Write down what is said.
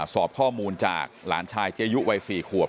สอบข้อมูลจากหลานชายเจยุวัย๔ขวบ